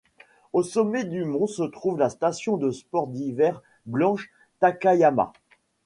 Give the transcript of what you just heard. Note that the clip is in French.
Au sommet du mont se trouve la station de sports d'hiver Blanche Takayama.